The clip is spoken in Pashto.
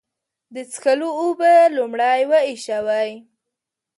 د څښلو اوبه لومړی وېشوئ.